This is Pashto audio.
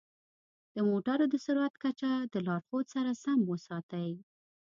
د موټرو د سرعت کچه د لارښود سره سم وساتئ.